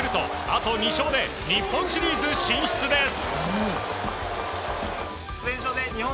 あと２勝で日本シリーズ進出です。